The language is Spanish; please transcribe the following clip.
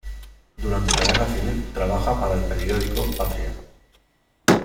Durante la guerra civil trabaja para el periódico Patria.